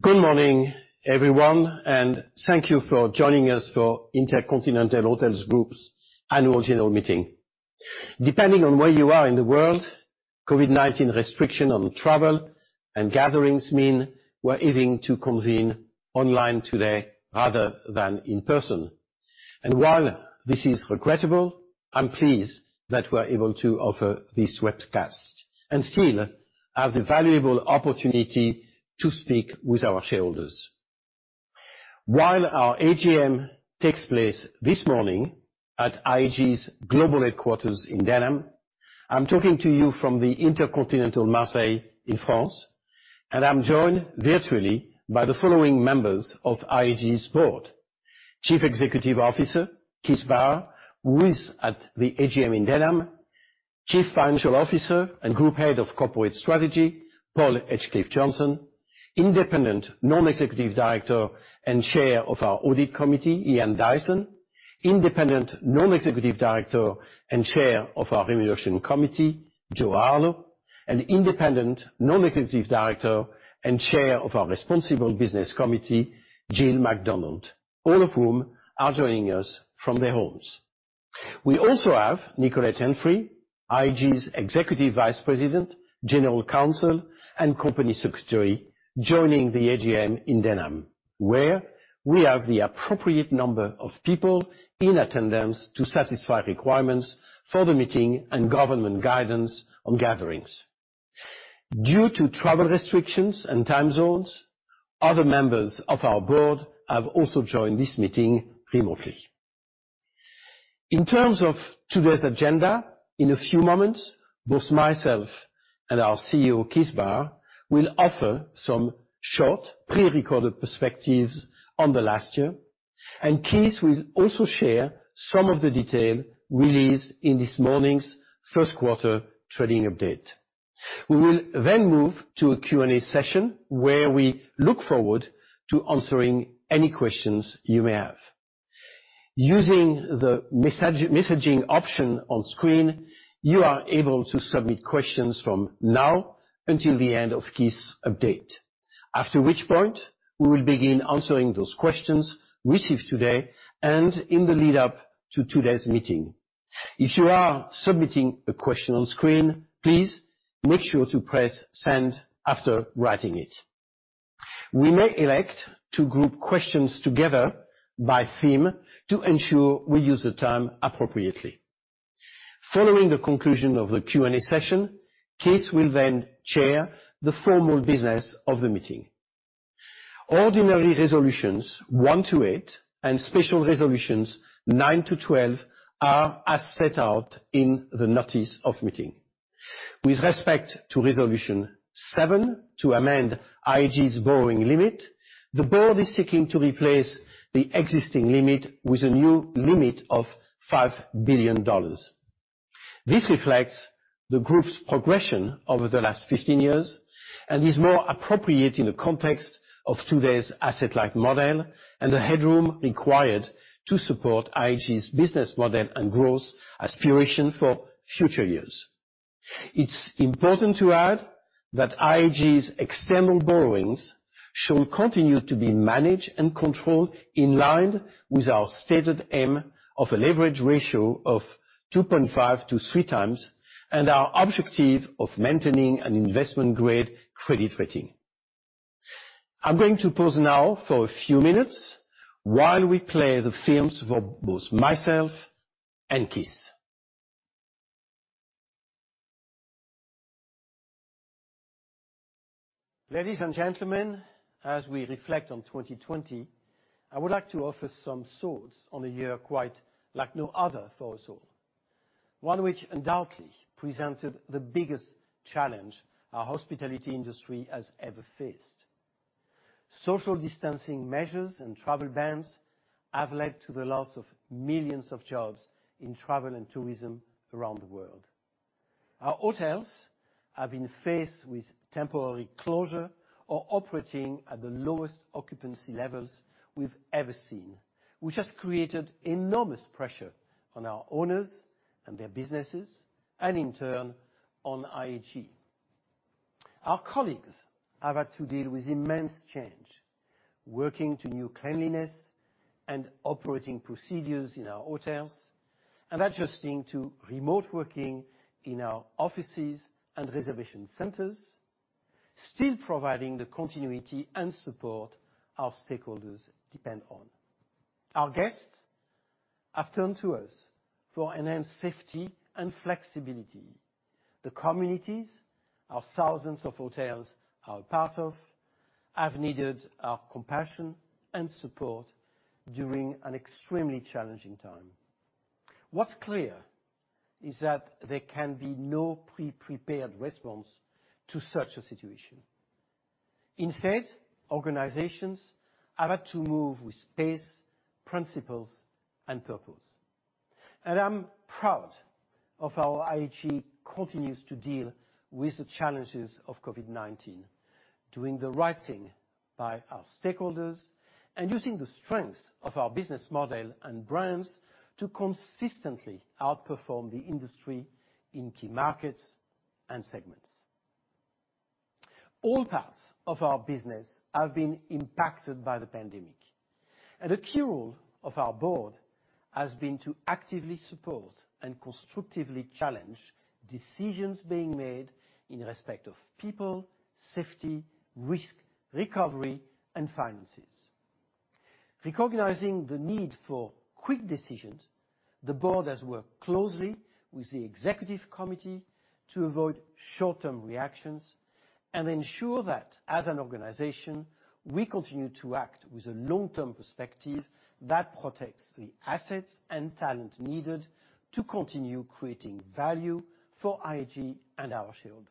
Good morning, everyone. Thank you for joining us for InterContinental Hotels Group's annual general meeting. Depending on where you are in the world, COVID-19 restriction on travel and gatherings mean we're having to convene online today rather than in person. While this is regrettable, I'm pleased that we're able to offer this webcast and still have the valuable opportunity to speak with our shareholders. While our AGM takes place this morning at IHG's global headquarters in Denham, I'm talking to you from the InterContinental Marseille in France, and I'm joined virtually by the following members of IHG's board. Chief Executive Officer, Keith Barr, who is at the AGM in Denham. Chief Financial Officer and Group Head of Corporate Strategy, Paul Edgecliffe-Johnson. Independent Non-Executive Director and Chair of our Audit Committee, Ian Dyson. Independent Non-Executive Director and Chair of our Remuneration Committee, Jo Harlow. Independent Non-Executive Director and Chair of our Responsible Business Committee, Jill McDonald, all of whom are joining us from their homes. We also have Nicolette Henfrey, IHG's Executive Vice President, General Counsel, and Company Secretary, joining the AGM in Denham, where we have the appropriate number of people in attendance to satisfy requirements for the meeting and government guidance on gatherings. Due to travel restrictions and time zones, other members of our board have also joined this meeting remotely. In terms of today's agenda, in a few moments, both myself and our CEO, Keith Barr, will offer some short, pre-recorded perspectives on the last year, and Keith will also share some of the detail released in this morning's first quarter trading update. We will then move to a Q&A session where we look forward to answering any questions you may have. Using the messaging option on screen, you are able to submit questions from now until the end of Keith's update, after which point we will begin answering those questions received today and in the lead up to today's meeting. If you are submitting a question on screen, please make sure to press send after writing it. We may elect to group questions together by theme to ensure we use the time appropriately. Following the conclusion of the Q&A session, Keith will then chair the formal business of the meeting. Ordinary resolutions one to eight and special resolutions 9-12 are as set out in the notice of meeting. With respect to resolution seven, to amend IHG's borrowing limit, the board is seeking to replace the existing limit with a new limit of $5 billion. This reflects the group's progression over the last 15 years and is more appropriate in the context of today's asset-light model and the headroom required to support IHG's business model and growth aspiration for future years. It's important to add that IHG's external borrowings shall continue to be managed and controlled in line with our stated aim of a leverage ratio of 2.5-3x, and our objective of maintaining an investment-grade credit rating. I'm going to pause now for a few minutes while we play the films for both myself and Keith. Ladies and gentlemen, as we reflect on 2020, I would like to offer some thoughts on a year quite like no other for us all. One which undoubtedly presented the biggest challenge our hospitality industry has ever faced. Social distancing measures and travel bans have led to the loss of millions of jobs in travel and tourism around the world. Our hotels have been faced with temporary closure or operating at the lowest occupancy levels we've ever seen, which has created enormous pressure on our owners and their businesses and, in turn, on IHG. Our colleagues have had to deal with immense change, working to new cleanliness and operating procedures in our hotels and adjusting to remote working in our offices and reservation centers, still providing the continuity and support our stakeholders depend on. Our guests have turned to us for enhanced safety and flexibility. The communities our thousands of hotels are a part of have needed our compassion and support during an extremely challenging time. What's clear is that there can be no pre-prepared response to such a situation. Instead, organizations have had to move with pace, principles, and purpose. I'm proud of how IHG continues to deal with the challenges of COVID-19, doing the right thing by our stakeholders and using the strengths of our business model and brands to consistently outperform the industry in key markets and segments. All parts of our business have been impacted by the pandemic, and a key role of our board has been to actively support and constructively challenge decisions being made in respect of people, safety, risk, recovery, and finances. Recognizing the need for quick decisions, the board has worked closely with the executive committee to avoid short-term reactions and ensure that as an organization, we continue to act with a long-term perspective that protects the assets and talent needed to continue creating value for IHG and our shareholders.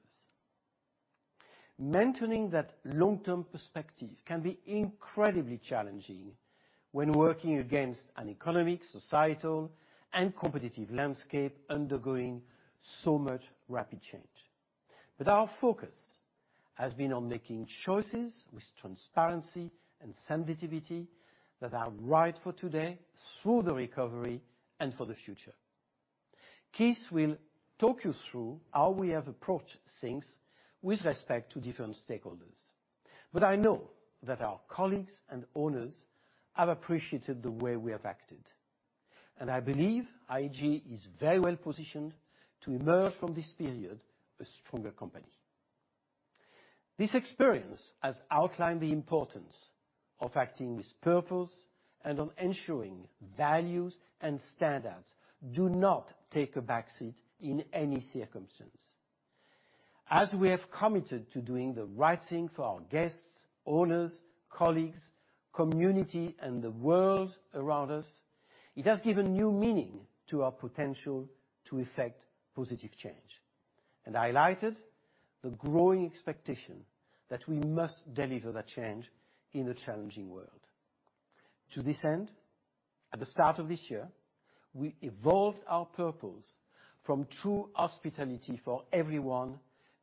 Maintaining that long-term perspective can be incredibly challenging when working against an economic, societal, and competitive landscape undergoing so much rapid change. Our focus has been on making choices with transparency and sensitivity that are right for today, through the recovery, and for the future. Keith will talk you through how we have approached things with respect to different stakeholders. I know that our colleagues and owners have appreciated the way we have acted, and I believe IHG is very well positioned to emerge from this period a stronger company. This experience has outlined the importance of acting with purpose and on ensuring values and standards do not take a back seat in any circumstance. As we have committed to doing the right thing for our guests, owners, colleagues, community, and the world around us, it has given new meaning to our potential to effect positive change and highlighted the growing expectation that we must deliver that change in a challenging world. To this end, at the start of this year, we evolved our purpose from true hospitality for everyone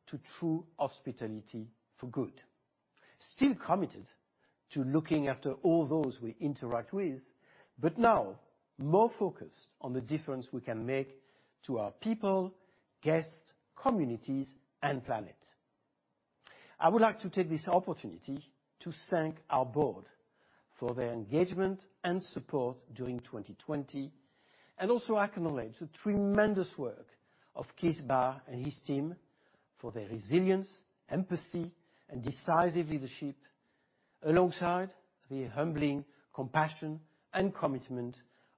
to True Hospitality for Good, still committed to looking after all those we interact with, but now more focused on the difference we can make to our people, guests, communities, and planet. I would like to take this opportunity to thank our board for their engagement and support during 2020, and also acknowledge the tremendous work of Keith Barr and his team for their resilience, empathy, and decisive leadership, alongside the humbling compassion and commitment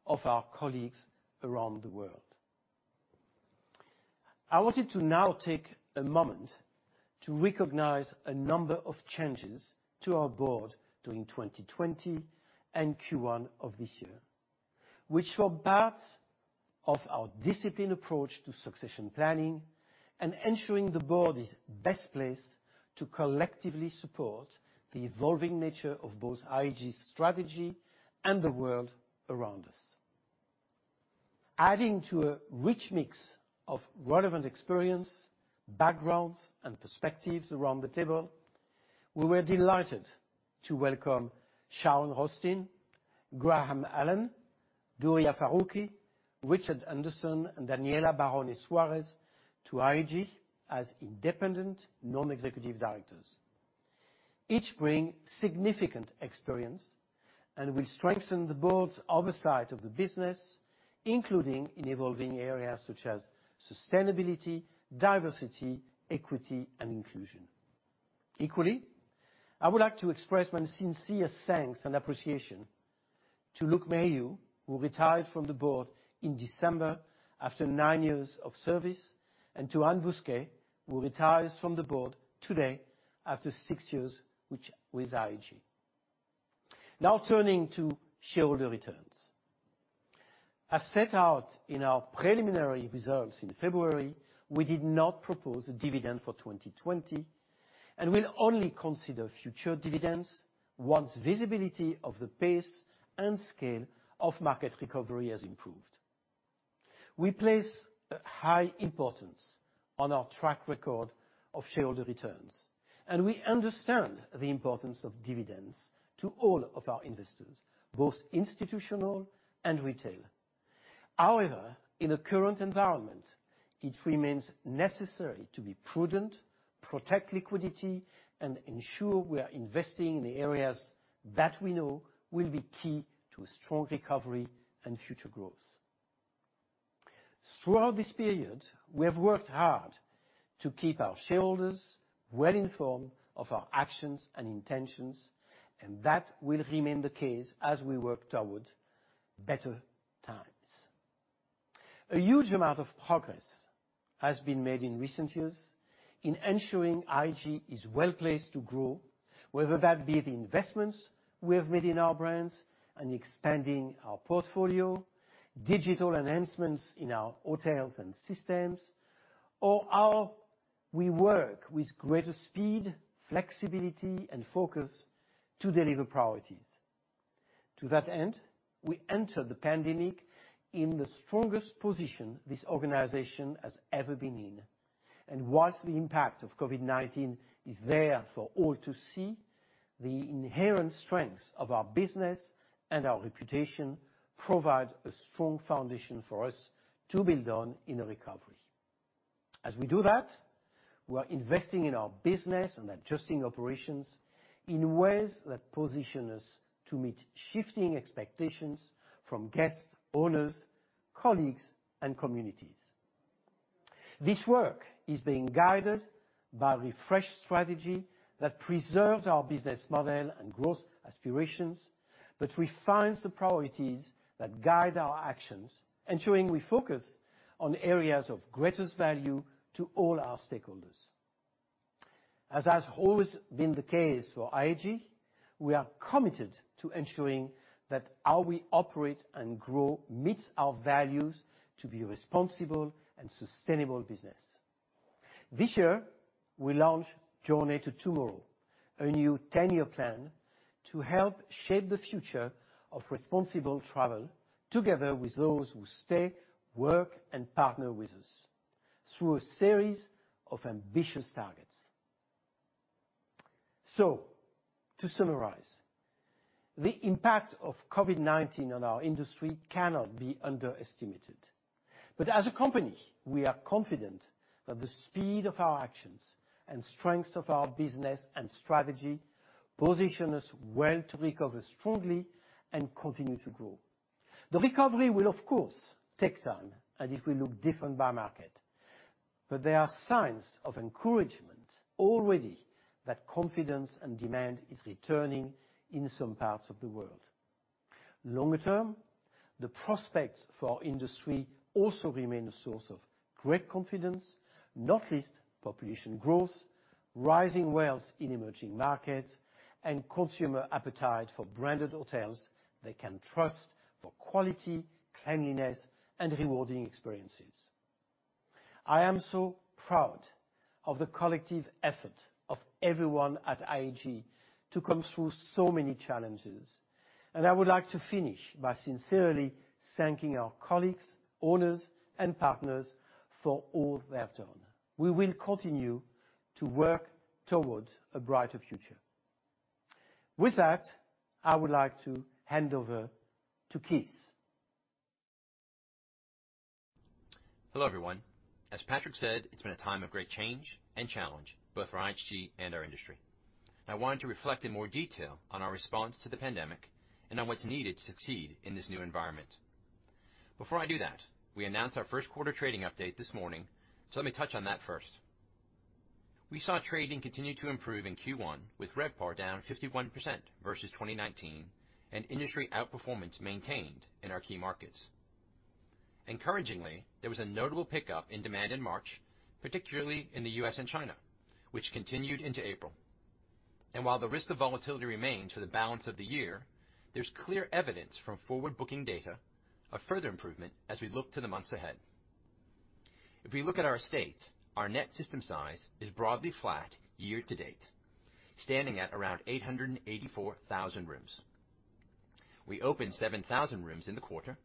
of our colleagues around the world. I wanted to now take a moment to recognize a number of changes to our board during 2020 and Q1 of this year, which were part of our disciplined approach to succession planning and ensuring the board is best placed to collectively support the evolving nature of both IHG's strategy and the world around us. Adding to a rich mix of relevant experience, backgrounds, and perspectives around the table, we were delighted to welcome Sharon Rothstein, Graham Allan, Duriya Farooqui, Richard Anderson, and Daniela Barone Soares to IHG as independent non-executive directors. Each bring significant experience and will strengthen the board's oversight of the business, including in evolving areas such as sustainability, diversity, equity, and inclusion. Equally, I would like to express my sincere thanks and appreciation to Luke Mayhew, who retired from the board in December after nine years of service, and to Anne Busquet, who retires from the board today after six years with IHG. Turning to shareholder returns. As set out in our preliminary results in February, we did not propose a dividend for 2020 and will only consider future dividends once visibility of the pace and scale of market recovery has improved. We place a high importance on our track record of shareholder returns, and we understand the importance of dividends to all of our investors, both institutional and retail. However, in the current environment, it remains necessary to be prudent, protect liquidity, and ensure we are investing in the areas that we know will be key to a strong recovery and future growth. Throughout this period, we have worked hard to keep our shareholders well informed of our actions and intentions. That will remain the case as we work towards better times. A huge amount of progress has been made in recent years in ensuring IHG is well placed to grow, whether that be the investments we have made in our brands and expanding our portfolio, digital enhancements in our hotels and systems, or how we work with greater speed, flexibility, and focus to deliver priorities. To that end, we enter the pandemic in the strongest position this organization has ever been in. Whilst the impact of COVID-19 is there for all to see. The inherent strengths of our business and our reputation provide a strong foundation for us to build on in a recovery. As we do that, we are investing in our business and adjusting operations in ways that position us to meet shifting expectations from guests, owners, colleagues, and communities. This work is being guided by a refreshed strategy that preserves our business model and growth aspirations, refines the priorities that guide our actions, ensuring we focus on areas of greatest value to all our stakeholders. As has always been the case for IHG, we are committed to ensuring that how we operate and grow meets our values to be a responsible and sustainable business. This year, we launch Journey to Tomorrow, a new 10-year plan to help shape the future of responsible travel together with those who stay, work, and partner with us through a series of ambitious targets. To summarize, the impact of COVID-19 on our industry cannot be underestimated. As a company, we are confident that the speed of our actions and strengths of our business and strategy position us well to recover strongly and continue to grow. The recovery will, of course, take time, and it will look different by market. There are signs of encouragement already that confidence and demand is returning in some parts of the world. Longer term, the prospects for our industry also remain a source of great confidence. Not least, population growth, rising wealth in emerging markets, and consumer appetite for branded hotels they can trust for quality, cleanliness, and rewarding experiences. I am so proud of the collective effort of everyone at IHG to come through so many challenges. I would like to finish by sincerely thanking our colleagues, owners, and partners for all they have done. We will continue to work towards a brighter future. With that, I would like to hand over to Keith. Hello, everyone. As Patrick said, it's been a time of great change and challenge, both for IHG and our industry. I wanted to reflect in more detail on our response to the pandemic and on what's needed to succeed in this new environment. Before I do that, we announced our first quarter trading update this morning. Let me touch on that first. We saw trading continue to improve in Q1, with RevPAR down 51% versus 2019 and industry outperformance maintained in our key markets. Encouragingly, there was a notable pickup in demand in March, particularly in the U.S. and China, which continued into April. While the risk of volatility remains for the balance of the year, there's clear evidence from forward-booking data, a further improvement as we look to the months ahead. If we look at our estate, our net system size is broadly flat year to date, standing at around 884,000 rooms. We opened 7,000 rooms in the quarter,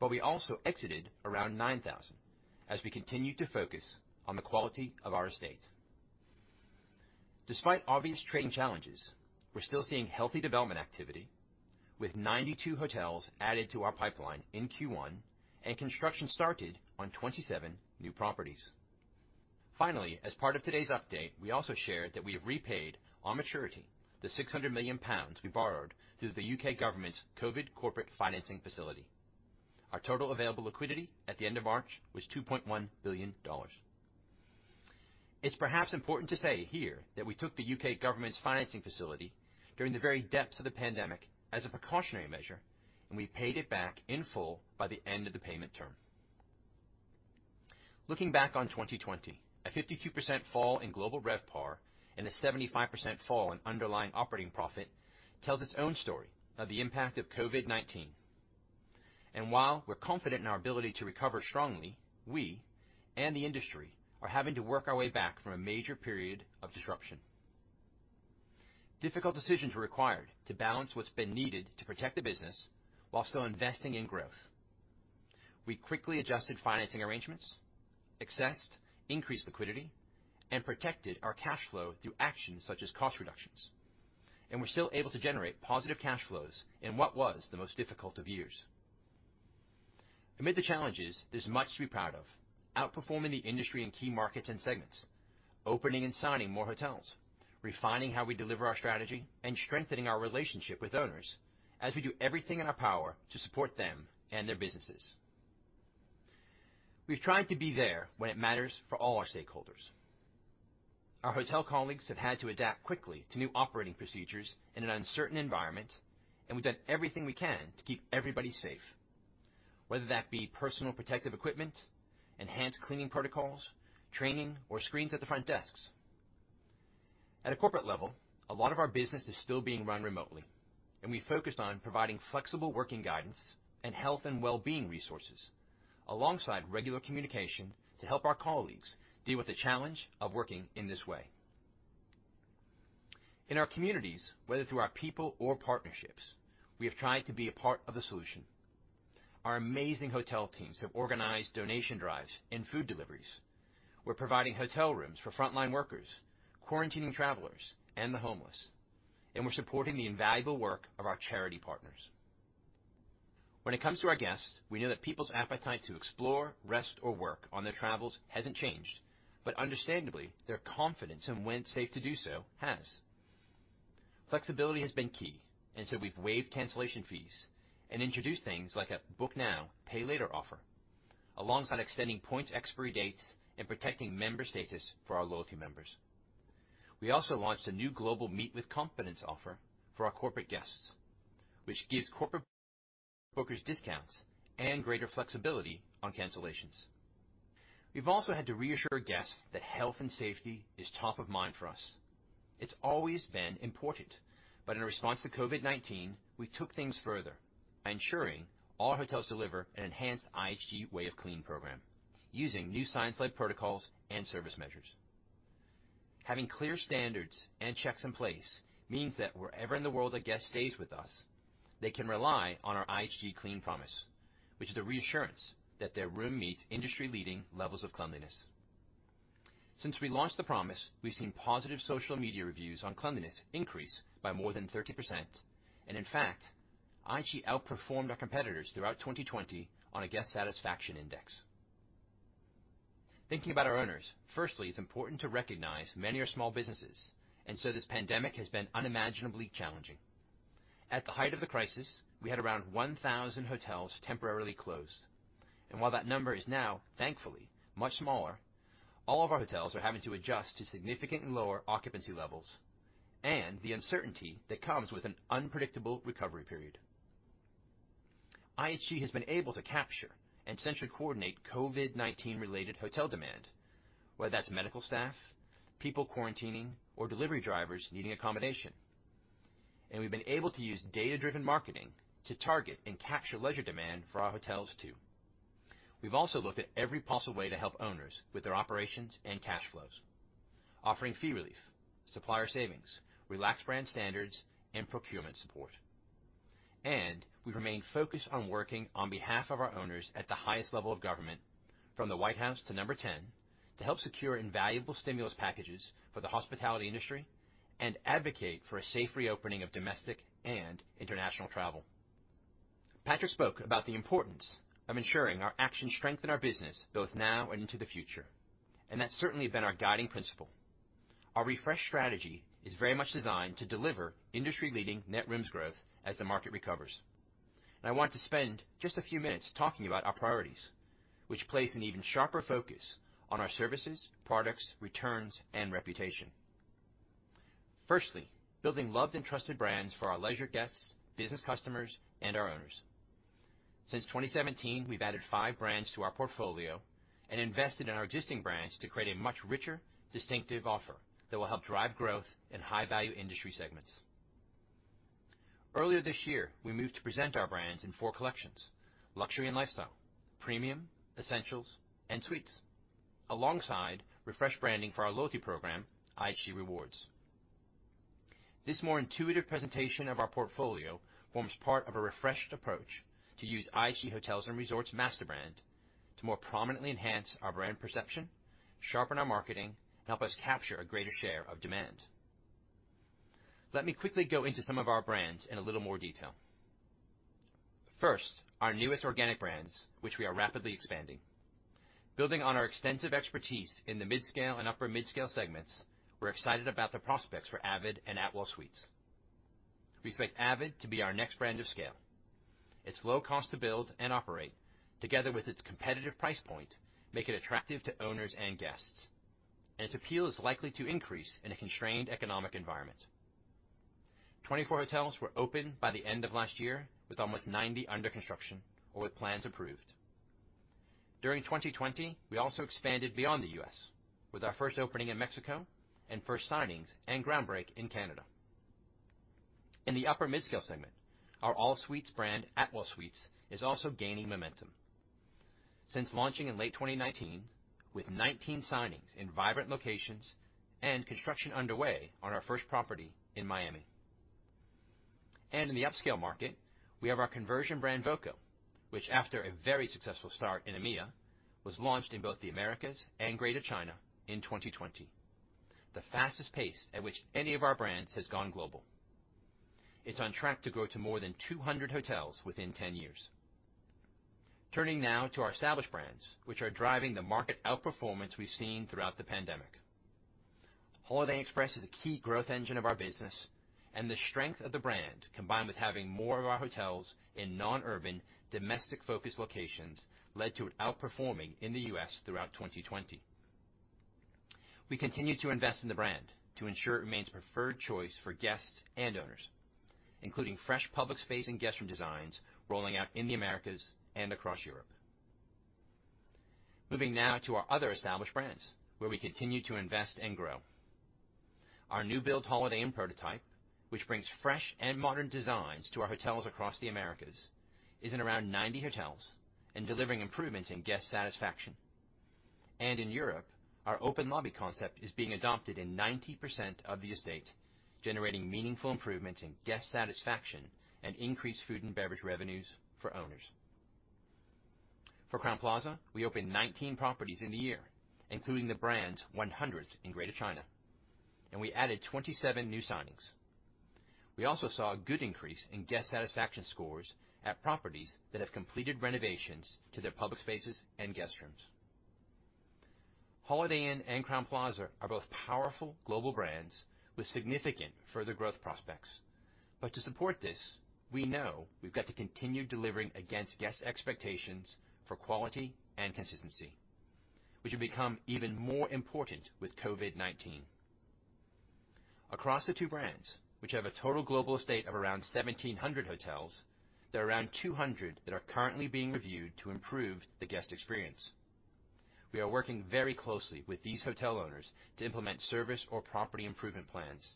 but we also exited around 9,000 as we continued to focus on the quality of our estate. Despite obvious trading challenges, we're still seeing healthy development activity with 92 hotels added to our pipeline in Q1, and construction started on 27 new properties. Finally, as part of today's update, we also shared that we have repaid on maturity the 600 million pounds we borrowed through the U.K. government's Covid Corporate Financing Facility. Our total available liquidity at the end of March was $2.1 billion. It's perhaps important to say here that we took the U.K. government's financing facility during the very depths of the pandemic as a precautionary measure, and we paid it back in full by the end of the payment term. Looking back on 2020, a 52% fall in global RevPAR and a 75% fall in underlying operating profit tells its own story of the impact of COVID-19. While we're confident in our ability to recover strongly, we and the industry are having to work our way back from a major period of disruption. Difficult decisions were required to balance what's been needed to protect the business while still investing in growth. We quickly adjusted financing arrangements, accessed increased liquidity, and protected our cash flow through actions such as cost reductions. We're still able to generate positive cash flows in what was the most difficult of years. Amid the challenges, there's much to be proud of. Outperforming the industry in key markets and segments, opening and signing more hotels, refining how we deliver our strategy, and strengthening our relationship with owners as we do everything in our power to support them and their businesses. We've tried to be there when it matters for all our stakeholders. Our hotel colleagues have had to adapt quickly to new operating procedures in an uncertain environment, and we've done everything we can to keep everybody safe, whether that be personal protective equipment, enhanced cleaning protocols, training, or screens at the front desks. At a corporate level, a lot of our business is still being run remotely, and we focused on providing flexible working guidance and health and wellbeing resources alongside regular communication to help our colleagues deal with the challenge of working in this way. In our communities, whether through our people or partnerships, we have tried to be a part of the solution. Our amazing hotel teams have organized donation drives and food deliveries. We're providing hotel rooms for frontline workers, quarantining travelers, and the homeless, and we're supporting the invaluable work of our charity partners. When it comes to our guests, we know that people's appetite to explore, rest, or work on their travels hasn't changed. Understandably, their confidence in when it's safe to do so has. Flexibility has been key. We've waived cancellation fees and introduced things like a book now, pay later offer, alongside extending points expiry dates and protecting member status for our loyalty members. We also launched a new global Meet with Confidence offer for our corporate guests, which gives corporate bookers discounts and greater flexibility on cancellations. We've also had to reassure guests that health and safety is top of mind for us. It's always been important, but in response to COVID-19, we took things further by ensuring all hotels deliver an enhanced IHG Way of Clean program using new science-led protocols and service measures. Having clear standards and checks in place means that wherever in the world a guest stays with us, they can rely on our IHG Clean Promise, which is a reassurance that their room meets industry-leading levels of cleanliness. Since we launched the promise, we've seen positive social media reviews on cleanliness increase by more than 30%. In fact, IHG outperformed our competitors throughout 2020 on a guest satisfaction index. Thinking about our owners, firstly, it's important to recognize many are small businesses, and so this pandemic has been unimaginably challenging. At the height of the crisis, we had around 1,000 hotels temporarily closed. While that number is now, thankfully, much smaller, all of our hotels are having to adjust to significantly lower occupancy levels and the uncertainty that comes with an unpredictable recovery period. IHG has been able to capture and centrally coordinate COVID-19-related hotel demand, whether that's medical staff, people quarantining, or delivery drivers needing accommodation. We've been able to use data-driven marketing to target and capture leisure demand for our hotels too. We've also looked at every possible way to help owners with their operations and cash flows, offering fee relief, supplier savings, relaxed brand standards, and procurement support. We remain focused on working on behalf of our owners at the highest level of government, from the White House to Number 10, to help secure invaluable stimulus packages for the hospitality industry and advocate for a safe reopening of domestic and international travel. Patrick spoke about the importance of ensuring our actions strengthen our business both now and into the future, and that's certainly been our guiding principle. Our refreshed strategy is very much designed to deliver industry-leading net rooms growth as the market recovers. I want to spend just a few minutes talking about our priorities, which place an even sharper focus on our services, products, returns, and reputation. Firstly, building loved and trusted brands for our leisure guests, business customers, and our owners. Since 2017, we've added five brands to our portfolio and invested in our existing brands to create a much richer, distinctive offer that will help drive growth in high-value industry segments. Earlier this year, we moved to present our brands in four collections, luxury and lifestyle, premium, essentials, and suites, alongside refreshed branding for our loyalty program, IHG Rewards. This more intuitive presentation of our portfolio forms part of a refreshed approach to use IHG Hotels & Resorts master brand to more prominently enhance our brand perception, sharpen our marketing, and help us capture a greater share of demand. Let me quickly go into some of our brands in a little more detail. First, our newest organic brands, which we are rapidly expanding. Building on our extensive expertise in the mid-scale and upper mid-scale segments, we're excited about the prospects for avid and Atwell Suites. We expect avid to be our next brand of scale. Its low cost to build and operate, together with its competitive price point, make it attractive to owners and guests, and its appeal is likely to increase in a constrained economic environment. 24 hotels were open by the end of last year with almost 90 under construction or with plans approved. During 2020, we also expanded beyond the U.S. with our first opening in Mexico and first signings and ground break in Canada. In the upper mid-scale segment, our all-suites brand, Atwell Suites, is also gaining momentum. Since launching in late 2019 with 19 signings in vibrant locations and construction underway on our first property in Miami. In the upscale market, we have our conversion brand, voco, which after a very successful start in EMEA, was launched in both the Americas and Greater China in 2020, the fastest pace at which any of our brands has gone global. It's on track to grow to more than 200 hotels within 10 years. Turning now to our established brands, which are driving the market outperformance we've seen throughout the pandemic. Holiday Inn Express is a key growth engine of our business, and the strength of the brand, combined with having more of our hotels in non-urban, domestic-focused locations, led to it outperforming in the U.S. throughout 2020. We continue to invest in the brand to ensure it remains a preferred choice for guests and owners, including fresh public space and guest room designs rolling out in the Americas and across Europe. Moving now to our other established brands, where we continue to invest and grow. Our new-build Holiday Inn prototype, which brings fresh and modern designs to our hotels across the Americas, is in around 90 hotels and delivering improvements in guest satisfaction. In Europe, our Open Lobby concept is being adopted in 90% of the estate, generating meaningful improvements in guest satisfaction and increased food and beverage revenues for owners. For Crowne Plaza, we opened 19 properties in the year, including the brand's 100th in Greater China, and we added 27 new signings. We also saw a good increase in guest satisfaction scores at properties that have completed renovations to their public spaces and guest rooms. Holiday Inn and Crowne Plaza are both powerful global brands with significant further growth prospects, but to support this, we know we've got to continue delivering against guests' expectations for quality and consistency, which will become even more important with COVID-19. Across the two brands, which have a total global estate of around 1,700 hotels, there are around 200 that are currently being reviewed to improve the guest experience. We are working very closely with these hotel owners to implement service or property improvement plans,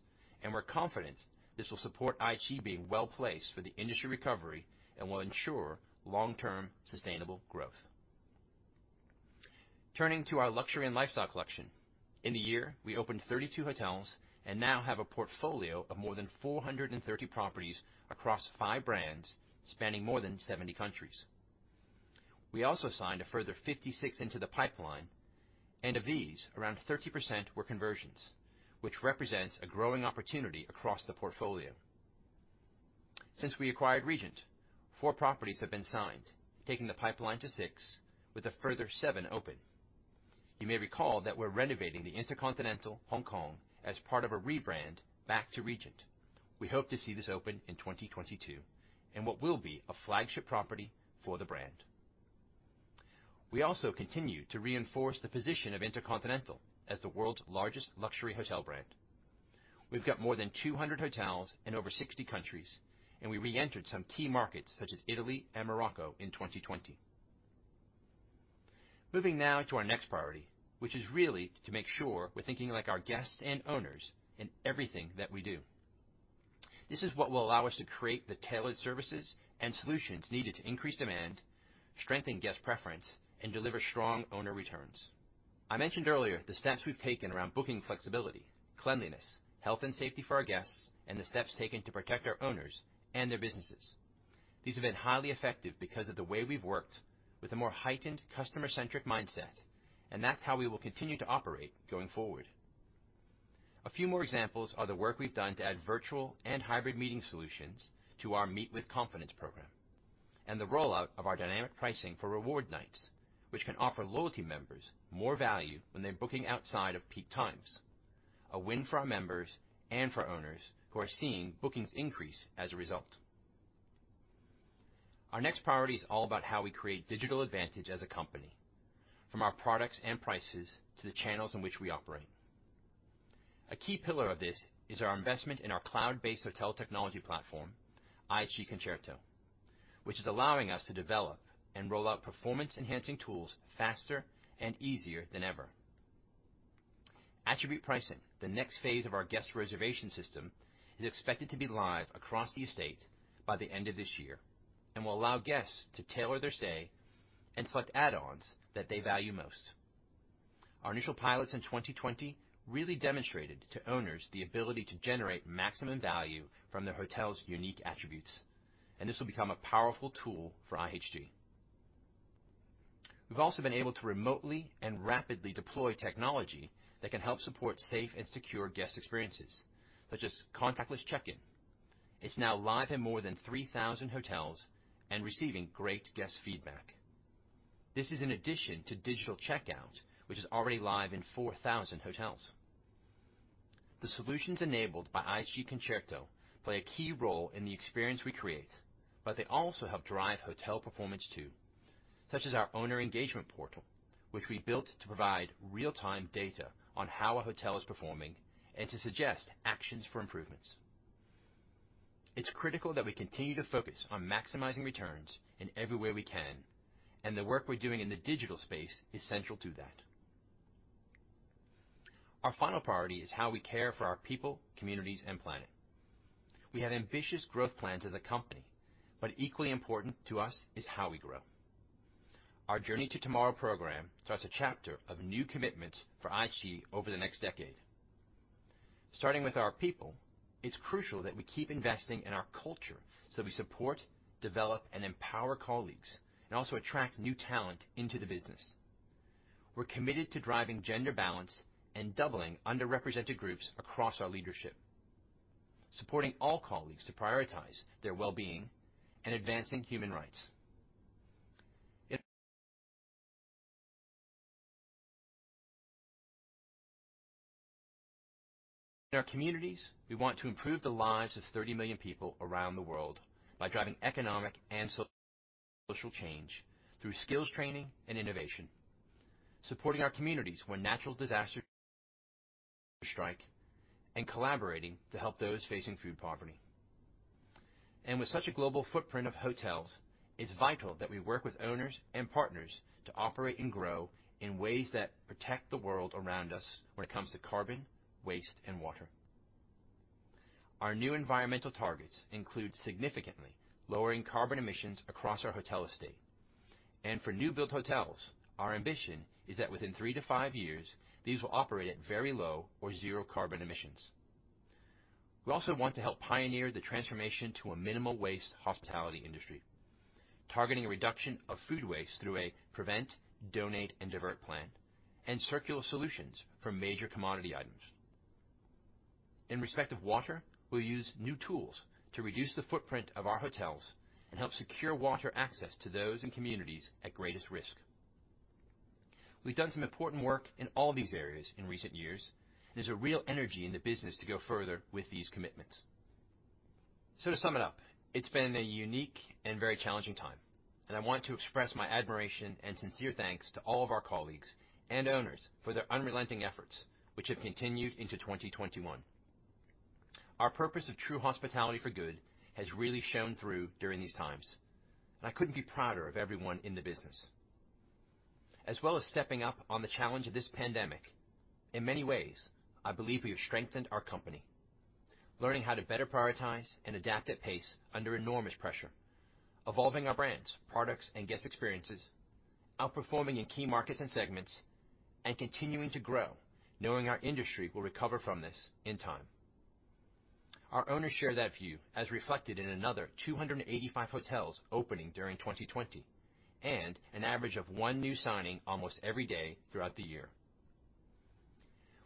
and we're confident this will support IHG being well-placed for the industry recovery and will ensure long-term sustainable growth. Turning to our Luxury & Lifestyle Collection. In the year, we opened 32 hotels and now have a portfolio of more than 430 properties across five brands, spanning more than 70 countries. We also signed a further 56 into the pipeline, and of these, around 30% were conversions, which represents a growing opportunity across the portfolio. Since we acquired Regent, four properties have been signed, taking the pipeline to six with a further seven open. You may recall that we're renovating the InterContinental Hong Kong as part of a rebrand back to Regent. We hope to see this open in 2022, in what will be a flagship property for the brand. We also continue to reinforce the position of InterContinental as the world's largest luxury hotel brand. We've got more than 200 hotels in over 60 countries, and we re-entered some key markets such as Italy and Morocco in 2020. Moving now to our next priority, which is really to make sure we're thinking like our guests and owners in everything that we do. This is what will allow us to create the tailored services and solutions needed to increase demand, strengthen guest preference, and deliver strong owner returns. I mentioned earlier the steps we've taken around booking flexibility, cleanliness, health, and safety for our guests, and the steps taken to protect our owners and their businesses. These have been highly effective because of the way we've worked with a more heightened customer-centric mindset, and that's how we will continue to operate going forward. A few more examples are the work we've done to add virtual and hybrid meeting solutions to our Meet with Confidence program, and the rollout of our dynamic pricing for reward nights, which can offer loyalty members more value when they're booking outside of peak times. A win for our members and for owners who are seeing bookings increase as a result. Our next priority is all about how we create digital advantage as a company, from our products and prices to the channels in which we operate. A key pillar of this is our investment in our cloud-based hotel technology platform, IHG Concerto, which is allowing us to develop and roll out performance-enhancing tools faster and easier than ever. Attribute pricing, the next phase of our guest reservation system, is expected to be live across the estate by the end of this year and will allow guests to tailor their stay and select add-ons that they value most. Our initial pilots in 2020 really demonstrated to owners the ability to generate maximum value from their hotel's unique attributes, and this will become a powerful tool for IHG. We've also been able to remotely and rapidly deploy technology that can help support safe and secure guest experiences, such as contactless check-in. It's now live in more than 3,000 hotels and receiving great guest feedback. This is in addition to digital checkout, which is already live in 4,000 hotels. The solutions enabled by IHG Concerto play a key role in the experience we create, but they also help drive hotel performance too, such as our owner engagement portal, which we built to provide real-time data on how a hotel is performing and to suggest actions for improvements. It's critical that we continue to focus on maximizing returns in every way we can, and the work we're doing in the digital space is central to that. Our final priority is how we care for our people, communities, and planet. We have ambitious growth plans as a company, but equally important to us is how we grow. Our Journey to Tomorrow program starts a chapter of new commitments for IHG over the next decade. Starting with our people, it's crucial that we keep investing in our culture so we support, develop, and empower colleagues and also attract new talent into the business. We're committed to driving gender balance and doubling underrepresented groups across our leadership, supporting all colleagues to prioritize their well-being and advancing human rights. In our communities, we want to improve the lives of 30 million people around the world by driving economic and social change through skills training and innovation, supporting our communities when natural disasters strike, and collaborating to help those facing food poverty. With such a global footprint of hotels, it's vital that we work with owners and partners to operate and grow in ways that protect the world around us when it comes to carbon, waste, and water. Our new environmental targets include significantly lowering carbon emissions across our hotel estate. For new-built hotels, our ambition is that within three to five years, these will operate at very low or zero carbon emissions. We also want to help pioneer the transformation to a minimal waste hospitality industry, targeting a reduction of food waste through a prevent, donate, and divert plan, and circular solutions for major commodity items. In respect of water, we'll use new tools to reduce the footprint of our hotels and help secure water access to those in communities at greatest risk. We've done some important work in all these areas in recent years, and there's a real energy in the business to go further with these commitments. To sum it up, it's been a unique and very challenging time, and I want to express my admiration and sincere thanks to all of our colleagues and owners for their unrelenting efforts, which have continued into 2021. Our purpose of True Hospitality for Good has really shown through during these times, and I couldn't be prouder of everyone in the business. As well as stepping up on the challenge of this pandemic, in many ways, I believe we have strengthened our company. Learning how to better prioritize and adapt at pace under enormous pressure, evolving our brands, products, and guest experiences, outperforming in key markets and segments, and continuing to grow, knowing our industry will recover from this in time. Our owners share that view, as reflected in another 285 hotels opening during 2020, and an average of one new signing almost every day throughout the year.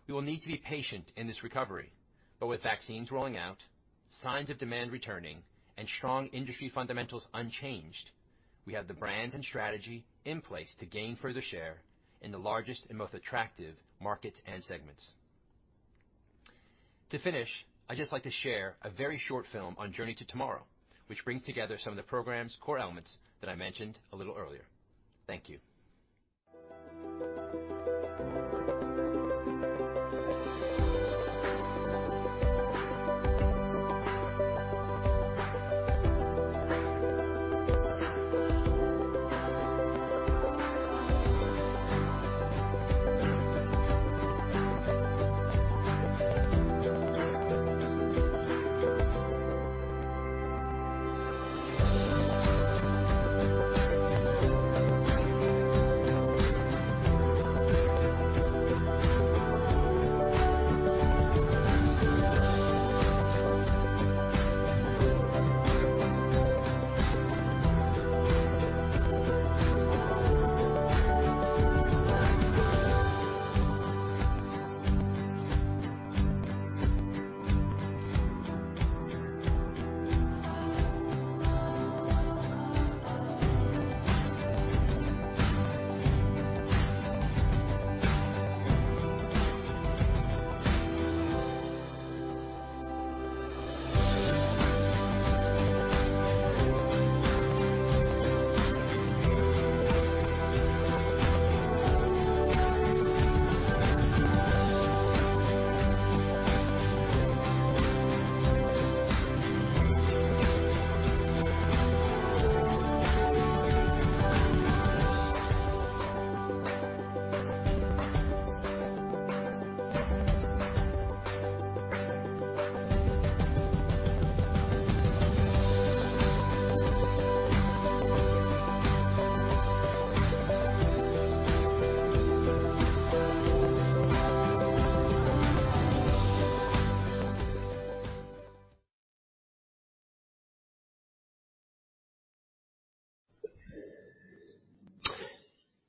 We will need to be patient in this recovery, but with vaccines rolling out, signs of demand returning, and strong industry fundamentals unchanged, we have the brands and strategy in place to gain further share in the largest and most attractive markets and segments. To finish, I'd just like to share a very short film on Journey to Tomorrow, which brings together some of the program's core elements that I mentioned a little earlier. Thank you.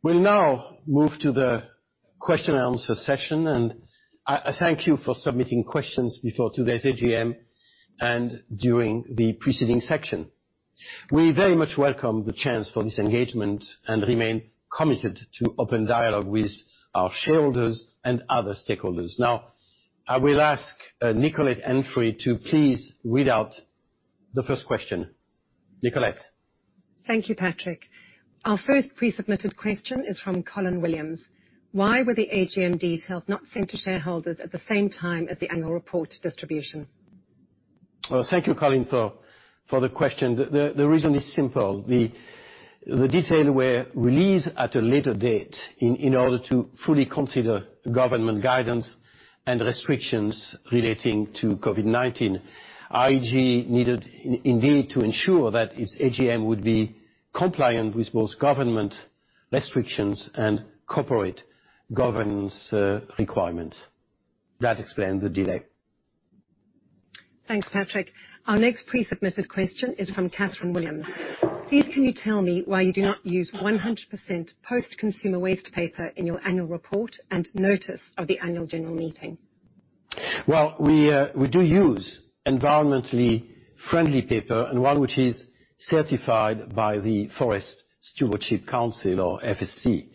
We'll now move to the question and answer session. I thank you for submitting questions before today's AGM and during the preceding section. We very much welcome the chance for this engagement and remain committed to open dialogue with our shareholders and other stakeholders. Now, I will ask Nicolette Henfrey to please read out the first question. Nicolette. Thank you, Patrick. Our first pre-submitted question is from Colin Williams. Why were the AGM details not sent to shareholders at the same time as the annual report distribution? Thank you, Colin, for the question. The reason is simple. The detail were released at a later date in order to fully consider government guidance and restrictions relating to COVID-19. IHG needed, indeed, to ensure that its AGM would be compliant with both government restrictions and corporate governance requirements. That explained the delay. Thanks, Patrick. Our next pre-submitted question is from Catherine Williams. Please, can you tell me why you do not use 100% post-consumer waste paper in your annual report and notice of the annual general meeting? We do use environmentally friendly paper, and one which is certified by the Forest Stewardship Council or FSC.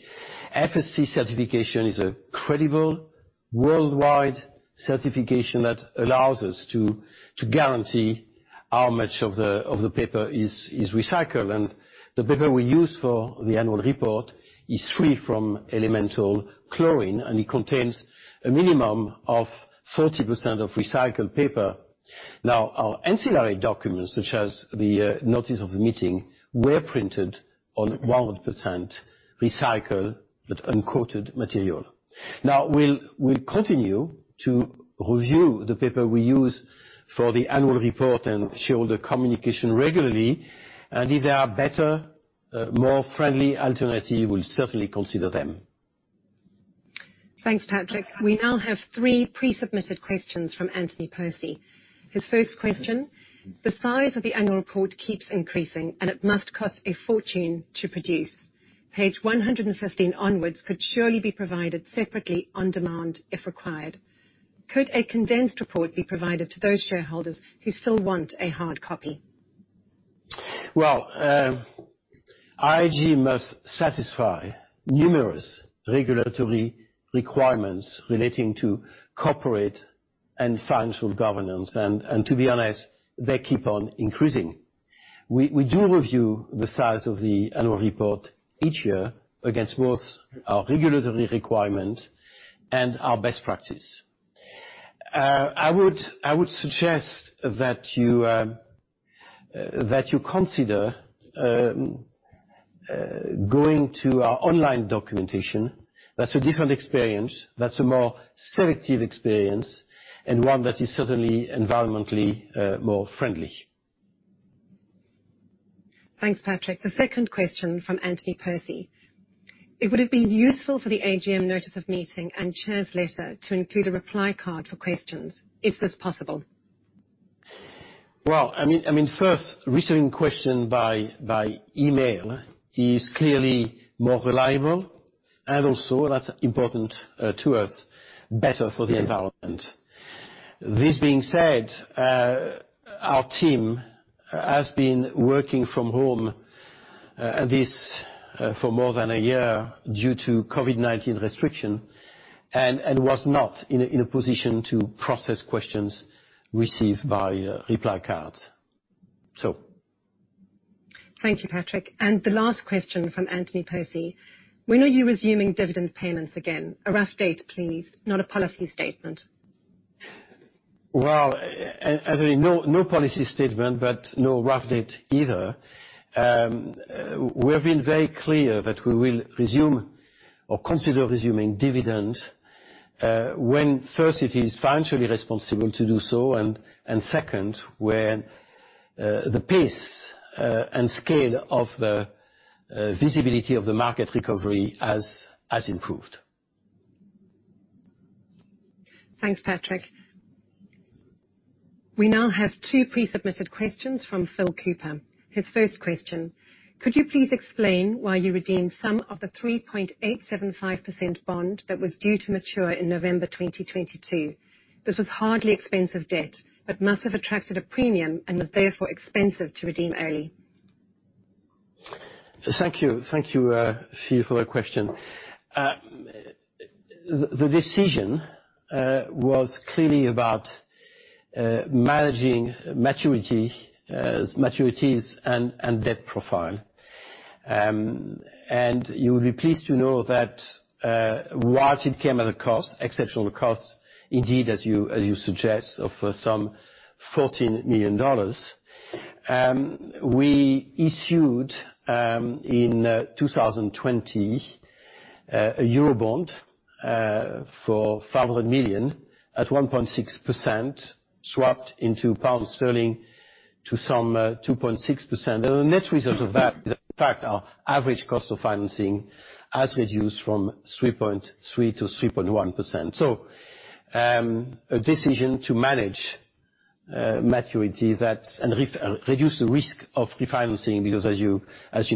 FSC certification is a credible worldwide certification that allows us to guarantee how much of the paper is recycled. The paper we use for the annual report is free from elemental chlorine, and it contains a minimum of 40% of recycled paper. Our ancillary documents, such as the notice of the meeting, were printed on 100% recycled, but uncoated material. We'll continue to review the paper we use for the annual report and shareholder communication regularly, and if there are better, more friendly alternative, we'll certainly consider them. Thanks, Patrick. We now have three pre-submitted questions from Anthony Percy. His first question, the size of the annual report keeps increasing, and it must cost a fortune to produce. Page 115 onwards could surely be provided separately on demand, if required. Could a condensed report be provided to those shareholders who still want a hard copy? Well, IHG must satisfy numerous regulatory requirements relating to corporate and financial governance, and to be honest, they keep on increasing. We do review the size of the annual report each year against both our regulatory requirement and our best practice. I would suggest that you consider going to our online documentation. That's a different experience, that's a more selective experience, and one that is certainly environmentally more friendly. Thanks, Patrick. The second question from Anthony Percy. It would've been useful for the AGM notice of meeting and chair's letter to include a reply card for questions. Is this possible? Well, first, receiving question by email is clearly more reliable, and also that's important to us, better for the environment. This being said, our team has been working from home for more than a year due to COVID-19 restriction, and was not in a position to process questions received by reply cards. Thank you, Patrick. The last question from Anthony Percy. When are you resuming dividend payments again? A rough date, please, not a policy statement. Well, Anthony, no policy statement, but no rough date either. We've been very clear that we will resume or consider resuming dividend, when first, it is financially responsible to do so, and second, when the pace and scale of the visibility of the market recovery has improved. Thanks, Patrick. We now have two pre-submitted questions from Phil Cooper. His first question, could you please explain why you redeemed some of the 3.875% bond that was due to mature in November 2022? This was hardly expensive debt, but must have attracted a premium and was therefore expensive to redeem early. Thank you. Thank you, Phil, for that question. The decision was clearly about managing maturities and debt profile. You will be pleased to know that while it came at exceptional cost, indeed, as you suggest, of some $14 million, we issued, in 2020, a Eurobond for 500 million at 1.6%, swapped into pound sterling to some 2.6%. The net result of that is, in fact, our average cost of financing has reduced from 3.3% to 3.1%. A decision to manage maturity and reduce the risk of refinancing, because as you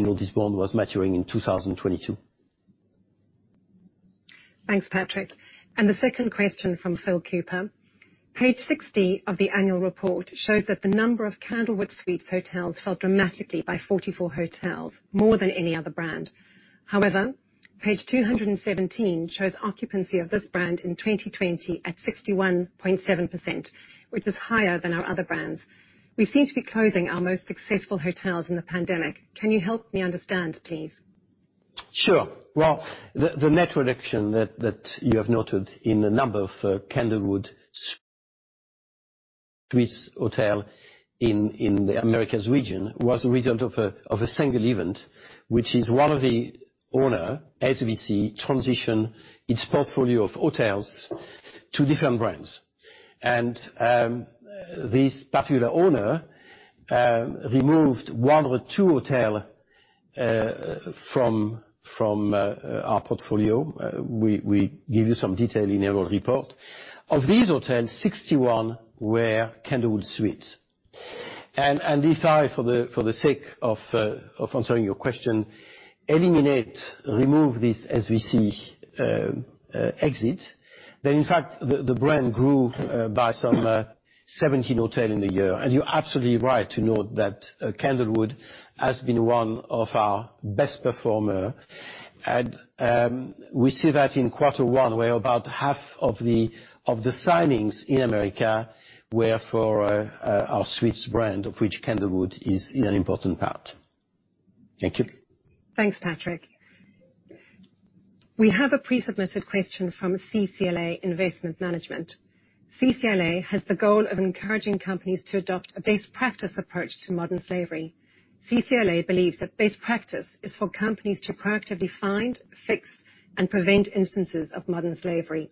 know, this bond was maturing in 2022. Thanks, Patrick. The second question from Phil Cooper. Page 60 of the annual report shows that the number of Candlewood Suites hotels fell dramatically by 44 hotels, more than any other brand. However, page 217 shows occupancy of this brand in 2020 at 61.7%, which is higher than our other brands. We seem to be closing our most successful hotels in the pandemic. Can you help me understand, please? Sure. The net reduction that you have noted in the number of Candlewood Suites hotels in the Americas region was a result of a single event, which is one of the owners, SVC, transitioned its portfolio of hotels to different brands. This particular owner removed 102 hotels from our portfolio. We give you some detail in annual report. Of these hotels, 61 were Candlewood Suites. If I, for the sake of answering your question, eliminate, remove this SVC exit, then in fact, the brand grew by some 17 hotels in the year. You're absolutely right to note that Candlewood has been one of our best performers. We see that in Q1, where about half of the signings in the Americas were for our Suites brand, of which Candlewood is an important part. Thank you. Thanks, Patrick. We have a pre-submitted question from CCLA Investment Management. CCLA has the goal of encouraging companies to adopt a best practice approach to modern slavery. CCLA believes that best practice is for companies to proactively find, fix, and prevent instances of modern slavery.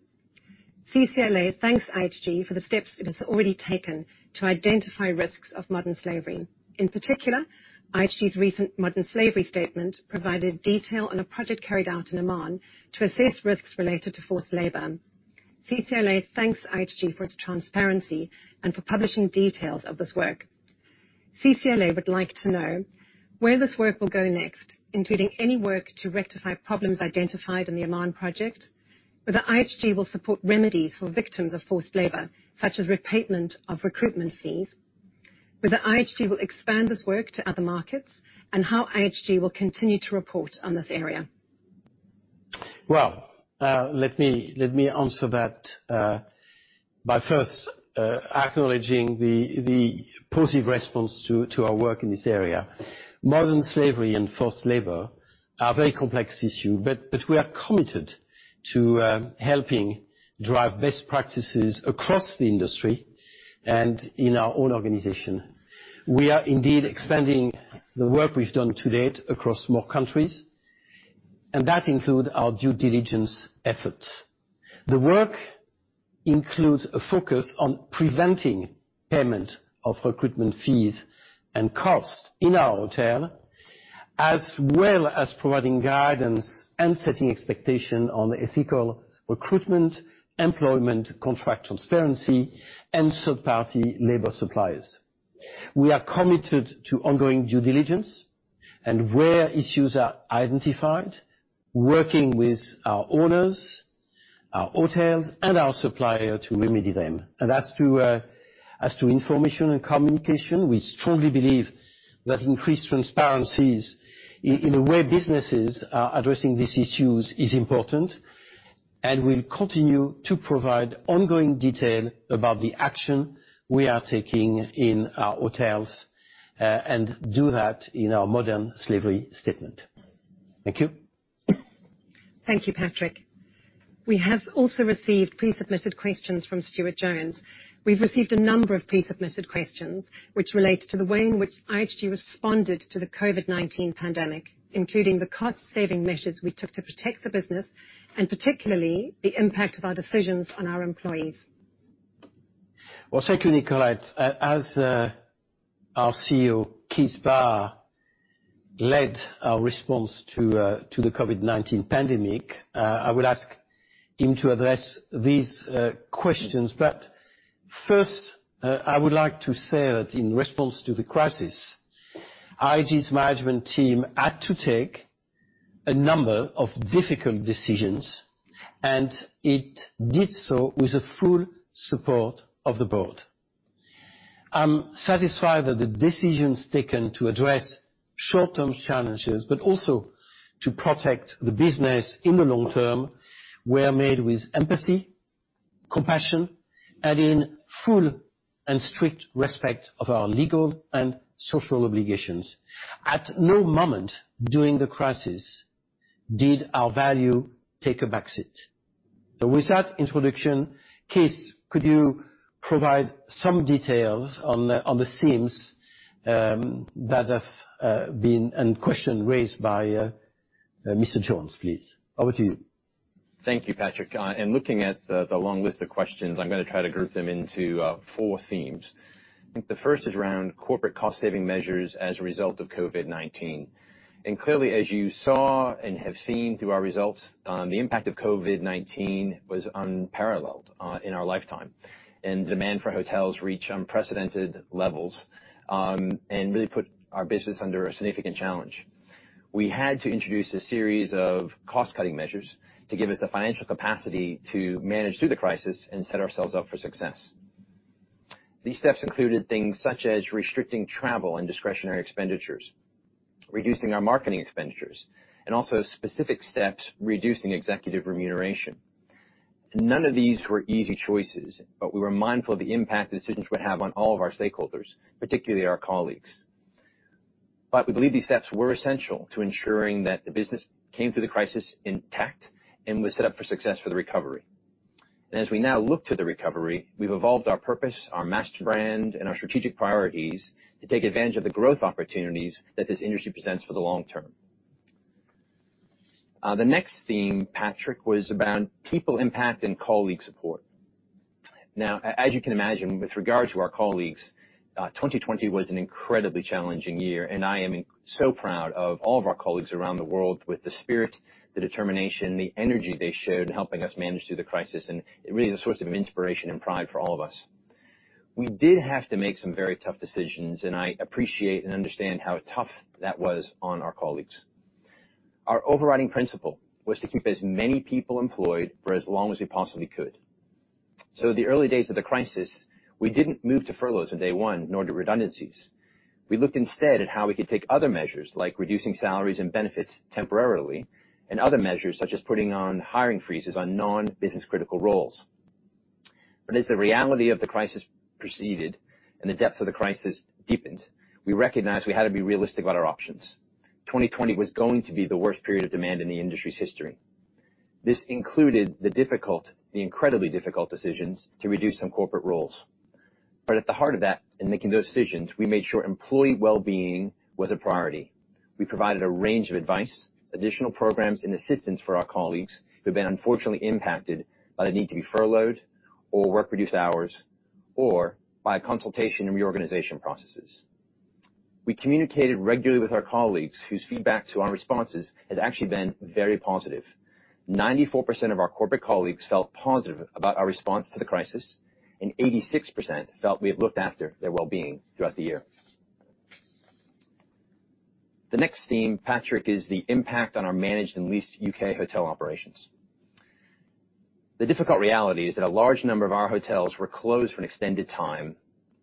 CCLA thanks IHG for the steps it has already taken to identify risks of modern slavery. In particular, IHG's recent modern slavery statement provided detail on a project carried out in Oman to assess risks related to forced labor. CCLA thanks IHG for its transparency and for publishing details of this work. CCLA would like to know where this work will go next, including any work to rectify problems identified in the Oman project, whether IHG will support remedies for victims of forced labor, such as repayment of recruitment fees, whether IHG will expand this work to other markets, and how IHG will continue to report on this area. Well, let me answer that by first acknowledging the positive response to our work in this area. Modern slavery and forced labor are a very complex issue, but we are committed to helping drive best practices across the industry and in our own organization. We are indeed expanding the work we've done to date across more countries, and that includes our due diligence efforts. The work includes a focus on preventing payment of recruitment fees and costs in our hotel, as well as providing guidance and setting expectation on ethical recruitment, employment, contract transparency, and third-party labor suppliers. We are committed to ongoing due diligence, and where issues are identified, working with our owners, our hotels, and our supplier to remedy them. As to information and communication, we strongly believe that increased transparencies in the way businesses are addressing these issues is important, and we'll continue to provide ongoing detail about the action we are taking in our hotels, and do that in our modern slavery statement. Thank you. Thank you, Patrick. We have also received pre-submitted questions from Stuart Jones. We've received a number of pre-submitted questions which relate to the way in which IHG responded to the COVID-19 pandemic, including the cost-saving measures we took to protect the business, and particularly the impact of our decisions on our employees. Well, thank you, Nicolette. As our CEO, Keith Barr, led our response to the COVID-19 pandemic, I will ask him to address these questions. First, I would like to say that in response to the crisis, IHG's management team had to take a number of difficult decisions, and it did so with the full support of the board. I'm satisfied that the decisions taken to address short-term challenges, but also to protect the business in the long term, were made with empathy, compassion, and in full and strict respect of our legal and social obligations. At no moment during the crisis did our value take a back seat. With that introduction, Keith, could you provide some details on the themes that have been, and question raised by Mr. Stuart Jones, please. Over to you. Thank you, Patrick. In looking at the long list of questions, I'm going to try to group them into four themes. I think the first is around corporate cost-saving measures as a result of COVID-19. Clearly, as you saw and have seen through our results, the impact of COVID-19 was unparalleled in our lifetime. Demand for hotels reached unprecedented levels and really put our business under a significant challenge. We had to introduce a series of cost-cutting measures to give us the financial capacity to manage through the crisis and set ourselves up for success. These steps included things such as restricting travel and discretionary expenditures, reducing our marketing expenditures, and also specific steps reducing executive remuneration. None of these were easy choices, but we were mindful of the impact the decisions would have on all of our stakeholders, particularly our colleagues. We believe these steps were essential to ensuring that the business came through the crisis intact and was set up for success for the recovery. As we now look to the recovery, we've evolved our purpose, our master brand, and our strategic priorities to take advantage of the growth opportunities that this industry presents for the long term. The next theme, Patrick, was around people impact and colleague support. Now, as you can imagine, with regard to our colleagues, 2020 was an incredibly challenging year, and I am so proud of all of our colleagues around the world with the spirit, the determination, the energy they showed helping us manage through the crisis, and it really is a source of inspiration and pride for all of us. We did have to make some very tough decisions, and I appreciate and understand how tough that was on our colleagues. Our overriding principle was to keep as many people employed for as long as we possibly could. In the early days of the crisis, we didn't move to furloughs on day one, nor to redundancies. We looked instead at how we could take other measures, like reducing salaries and benefits temporarily, and other measures, such as putting on hiring freezes on non-business critical roles. As the reality of the crisis proceeded and the depth of the crisis deepened, we recognized we had to be realistic about our options. 2020 was going to be the worst period of demand in the industry's history. This included the difficult, the incredibly difficult decisions to reduce some corporate roles. At the heart of that, in making those decisions, we made sure employee wellbeing was a priority. We provided a range of advice, additional programs, and assistance for our colleagues who have been unfortunately impacted by the need to be furloughed or work reduced hours, or by consultation and reorganization processes. We communicated regularly with our colleagues, whose feedback to our responses has actually been very positive. 94% of our corporate colleagues felt positive about our response to the crisis, and 86% felt we have looked after their wellbeing throughout the year. The next theme, Patrick, is the impact on our managed and leased U.K. hotel operations. The difficult reality is that a large number of our hotels were closed for an extended time,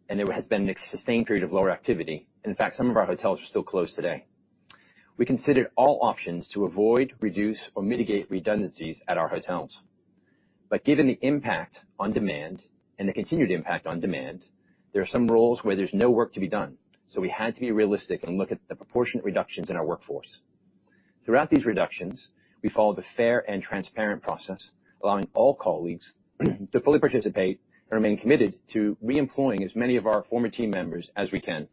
and there has been a sustained period of lower activity. In fact, some of our hotels are still closed today. We considered all options to avoid, reduce, or mitigate redundancies at our hotels. Given the impact on demand and the continued impact on demand, there are some roles where there's no work to be done. We had to be realistic and look at the proportionate reductions in our workforce. Throughout these reductions, we followed a fair and transparent process, allowing all colleagues to fully participate, and remain committed to reemploying as many of our former team members as we can.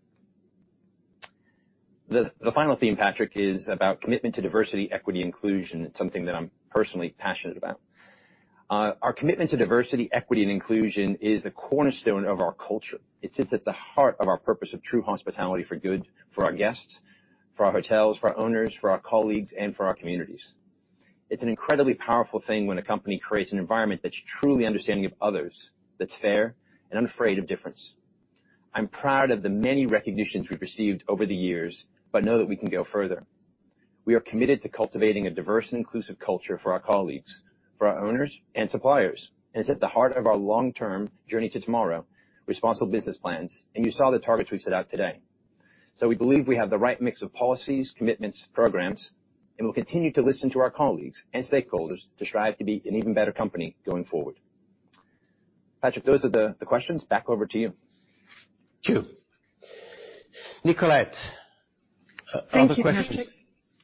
The final theme, Patrick, is about commitment to diversity, equity, and inclusion. It's something that I'm personally passionate about. Our commitment to diversity, equity, and inclusion is the cornerstone of our culture. It sits at the heart of our purpose of True Hospitality for Good, for our guests, for our hotels, for our owners, for our colleagues, and for our communities. It's an incredibly powerful thing when a company creates an environment that's truly understanding of others, that's fair, and unafraid of difference. I'm proud of the many recognitions we've received over the years but know that we can go further. We are committed to cultivating a diverse and inclusive culture for our colleagues, for our owners and suppliers. It's at the heart of our long-term Journey to Tomorrow responsible business plans. You saw the targets we set out today. We believe we have the right mix of policies, commitments, programs. We'll continue to listen to our colleagues and stakeholders to strive to be an even better company going forward. Patrick, those are the questions. Back over to you. Thank you. Nicolette, are there questions? Thank you, Patrick.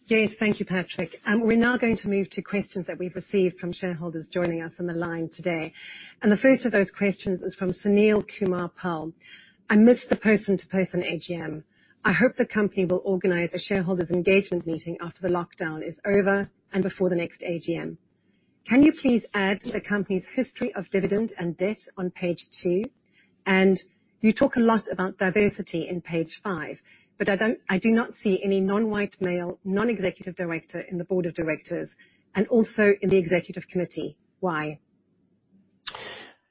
Yes, thank you, Patrick. We're now going to move to questions that we've received from shareholders joining us on the line today. The first of those questions is from Sunil Kumar Pal. "I missed the person-to-person AGM. I hope the company will organize a shareholders engagement meeting after the lockdown is over and before the next AGM. Can you please add the company's history of dividend and debt on page 2? You talk a lot about diversity in page 5, but I do not see any non-white male non-executive director in the board of directors and also in the executive committee. Why?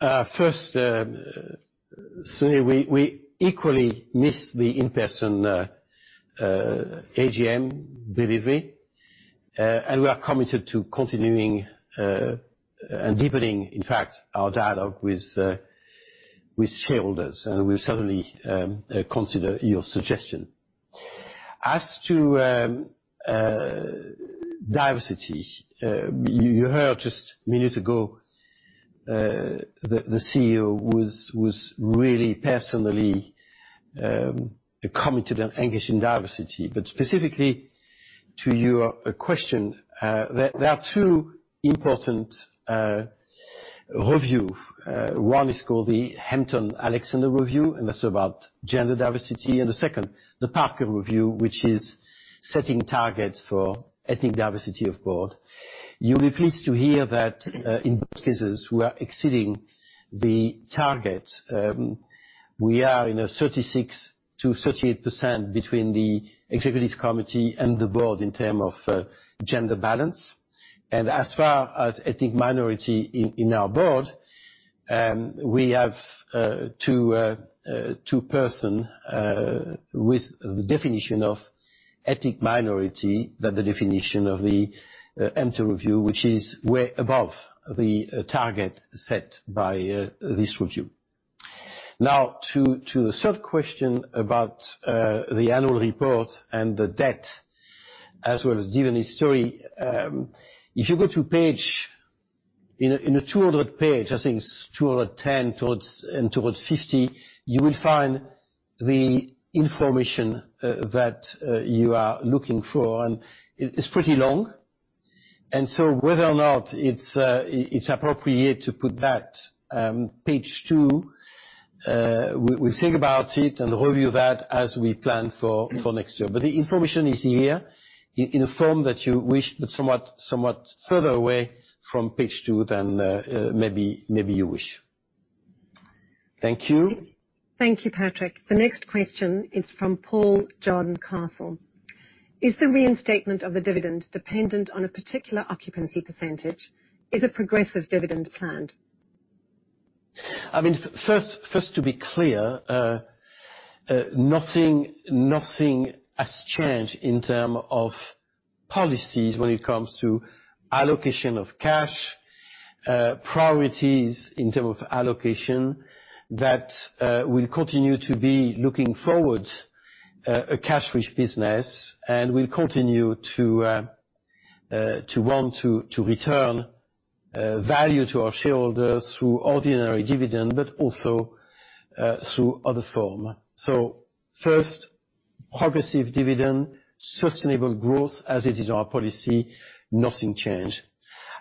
First, Sunil, we equally miss the in-person AGM delivery. We are committed to continuing and deepening, in fact, our dialogue with shareholders, and we'll certainly consider your suggestion. As to diversity, you heard just a minute ago, the CEO was really personally committed and engaged in diversity. Specifically to your question, there are two important review. One is called the Hampton-Alexander Review, and that's about gender diversity. The second, the Parker Review, which is setting targets for ethnic diversity of board. You'll be pleased to hear that in both cases, we are exceeding the target. We are in a 36%-38% between the executive committee and the board in term of gender balance. As far as ethnic minority in our board, we have two person with the definition of ethnic minority than the definition of the Hampton-Alexander Review, which is way above the target set by this review. To the third question about the annual report and the debt, as well as dividend history. If you go in the 200 page, I think it's 210 towards 50, you will find the information that you are looking for. It's pretty long, and so whether or not it's appropriate to put that page 2, we'll think about it and review that as we plan for next year. The information is here in a form that you wish, but somewhat further away from page 2 than maybe you wish. Thank you. Thank you, Patrick. The next question is from Paul Jordan-Castle. "Is the reinstatement of the dividend dependent on a particular occupancy percentage? Is a progressive dividend planned? First, to be clear, nothing has changed in terms of policies when it comes to allocation of cash, priorities in terms of allocation that will continue to be looking forward, a cash-rich business. We'll continue to want to return value to our shareholders through ordinary dividend, but also through other forms. First, progressive dividend, sustainable growth as it is our policy, nothing changed.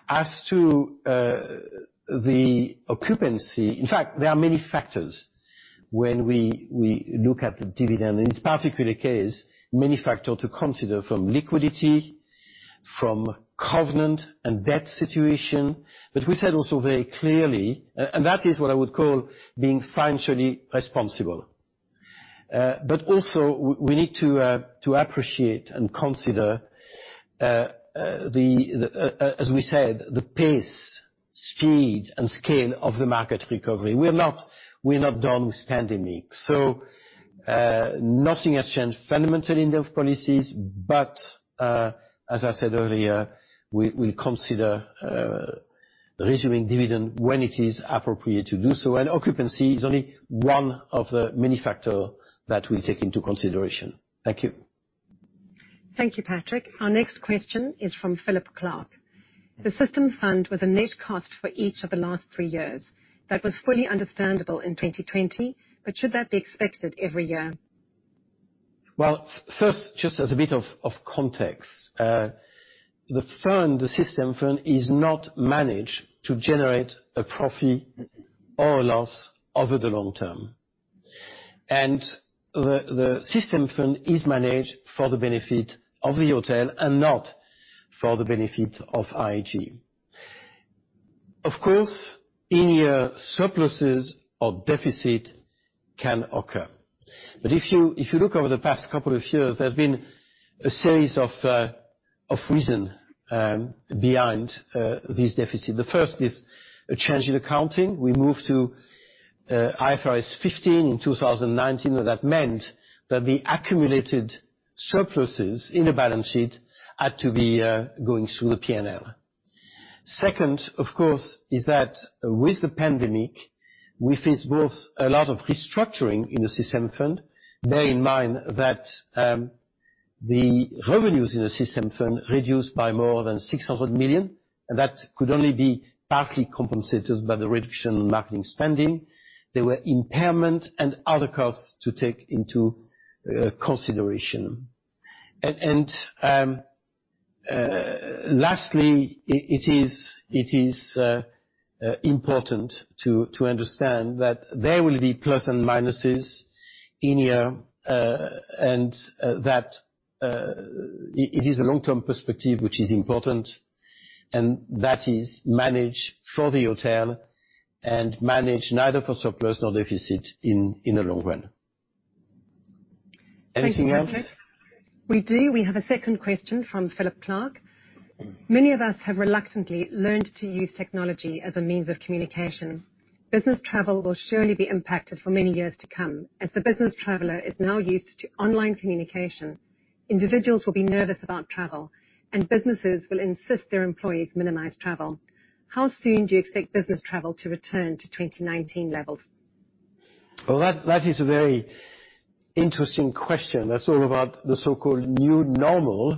As to the occupancy, in fact, there are many factors when we look at the dividend, and it's particularly the case, many factors to consider from liquidity, from covenant and debt situation. We said also very clearly, and that is what I would call being financially responsible. Also, we need to appreciate and consider, as we said, the pace, speed, and scale of the market recovery. We're not done with the pandemic. Nothing has changed fundamentally in their policies. As I said earlier, we'll consider resuming dividend when it is appropriate to do so. Occupancy is only one of the many factor that we take into consideration. Thank you. Thank you, Patrick. Our next question is from Philip Clark. The System Fund was a net cost for each of the last three years. That was fully understandable in 2020, but should that be expected every year? First, just as a bit of context, the System Fund is not managed to generate a profit or loss over the long term. The System Fund is managed for the benefit of the hotel and not for the benefit of IHG. Of course, in year surpluses or deficit can occur. If you look over the past couple of years, there's been a series of reason behind these deficits. The first is a change in accounting. We moved to IFRS 15 in 2019, and that meant that the accumulated surpluses in the balance sheet had to be going through the P&L. Second, of course, is that with the pandemic, we faced both a lot of restructuring in the System Fund. Bear in mind that the revenues in the System Fund reduced by more than 600 million, and that could only be partly compensated by the reduction in marketing spending. There were impairment and other costs to take into consideration. Lastly, it is important to understand that there will be plus and minuses in here, and that it is a long-term perspective, which is important, and that is managed for the hotel and managed neither for surplus nor deficit in the long run. Anything else? Thank you, Patrick. We do. We have a second question from Philip Clark. Many of us have reluctantly learned to use technology as a means of communication. Business travel will surely be impacted for many years to come. As the business traveler is now used to online communication, individuals will be nervous about travel, and businesses will insist their employees minimize travel. How soon do you expect business travel to return to 2019 levels? That is a very interesting question. That's all about the so-called new normal.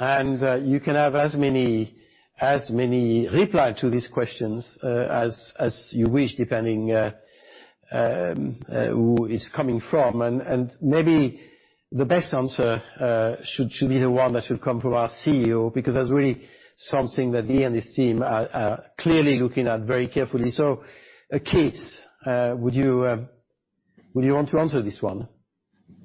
You can have as many reply to these questions as you wish, depending who it's coming from. Maybe the best answer should be the one that should come from our CEO, because that's really something that he and his team are clearly looking at very carefully. Keith, would you want to answer this one?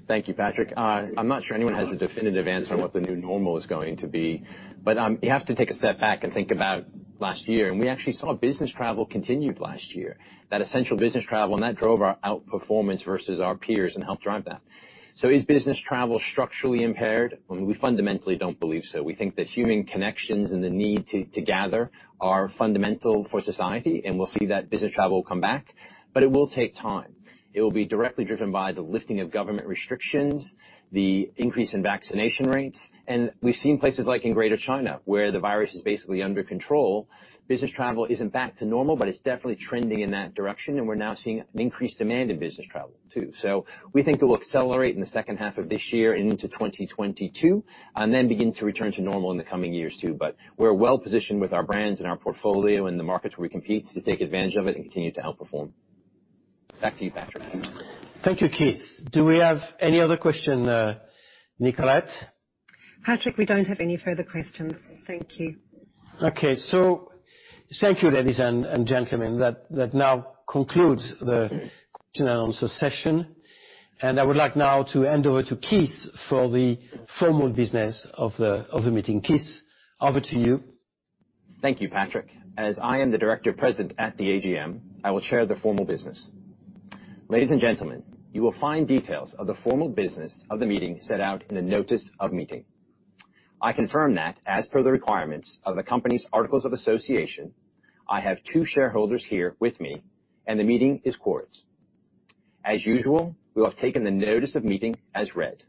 Thank you, Patrick. I'm not sure anyone has a definitive answer on what the new normal is going to be. You have to take a step back and think about last year, and we actually saw business travel continued last year, that essential business travel, and that drove our outperformance versus our peers and helped drive that. Is business travel structurally impaired? We fundamentally don't believe so. We think that human connections and the need to gather are fundamental for society, and we'll see that business travel come back, but it will take time. It will be directly driven by the lifting of government restrictions, the increase in vaccination rates, and we've seen places like in Greater China, where the virus is basically under control. Business travel isn't back to normal, but it's definitely trending in that direction, and we're now seeing an increased demand in business travel, too. We think it will accelerate in the second half of this year and into 2022, and then begin to return to normal in the coming years, too. We're well-positioned with our brands and our portfolio in the markets where we compete to take advantage of it and continue to outperform. Back to you, Patrick. Thank you, Keith. Do we have any other question, Nicolette? Patrick, we don't have any further questions. Thank you. Okay, thank you, ladies and gentlemen. That now concludes the question and answer session. I would like now to hand over to Keith for the formal business of the meeting. Keith, over to you. Thank you, Patrick. As I am the director present at the AGM, I will chair the formal business. Ladies and gentlemen, you will find details of the formal business of the meeting set out in the notice of meeting. I confirm that, as per the requirements of the company's articles of association, I have two shareholders here with me, and the meeting is quorum. As usual, we will have taken the notice of meeting as read.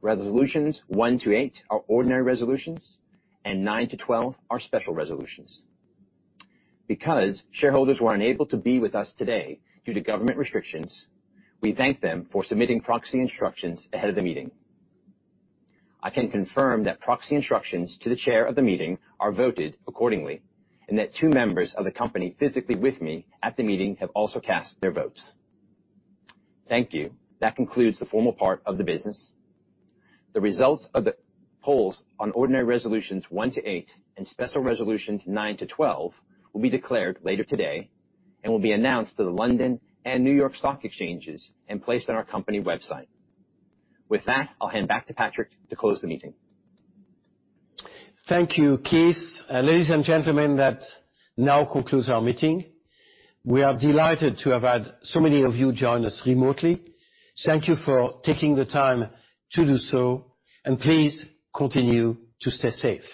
Resolutions one to eight are ordinary resolutions, and 9-12 are special resolutions. Because shareholders were unable to be with us today due to government restrictions, we thank them for submitting proxy instructions ahead of the meeting. I can confirm that proxy instructions to the chair of the meeting are voted accordingly, and that two members of the company physically with me at the meeting have also cast their votes. Thank you. That concludes the formal part of the business. The results of the polls on ordinary resolutions one to eight and special resolutions 9-12 will be declared later today and will be announced to the London Stock Exchange and New York Stock Exchange and placed on our company website. With that, I'll hand back to Patrick to close the meeting. Thank you, Keith. Ladies and gentlemen, that now concludes our meeting. We are delighted to have had so many of you join us remotely. Thank you for taking the time to do so, and please continue to stay safe.